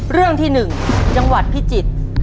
เรื่องที่หนึ่งจังหวัดพิจิตย์